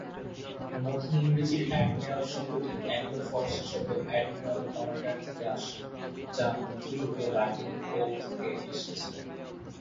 মধ্য ইংরেজির অ্যাডমিরাল শব্দটি অ্যাংলো ফরাসি শব্দ এডমিরাল ও কমান্ডার থেকে আসে, যা মধ্যযুগীয় ল্যাটিন ও থেকে এসেছে।